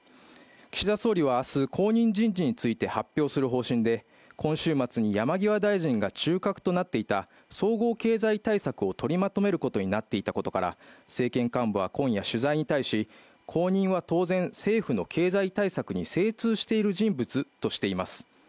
岸田総理は明日、後任人事について発表する方針で、今週末に山際大臣が中核となっていた総合経済対策を取りまとめることになっていたことから政権幹部は今夜、取材に対し後任は当然、政府の経済対策に精通している人物としています。